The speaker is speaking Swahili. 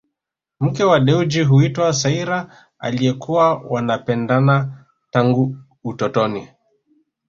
Mke wa Dewji huitwa Saira aliyekuwa wanapendana tangu utotoni